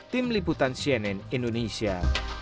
tim liputan cnn indonesia